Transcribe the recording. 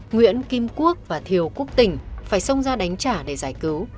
nguyễn kim quốc và thiều quốc tỉnh phải xông ra đánh trả để giải cứu